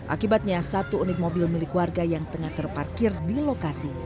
akibatnya satu unit mobil milik warga yang tengah terparkir di lokasi